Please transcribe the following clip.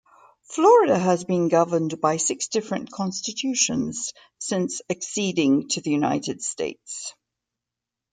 Florida has been governed by six different constitutions since acceding to the United States.